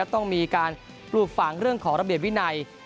ต้องมีการปลูกฝังเรื่องของระเบียบวินัย